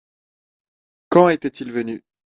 Quand était-il venu ?